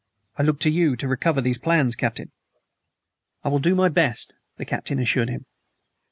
I look to you to recover these plans, Captain." "I will do my best," the captain assured him.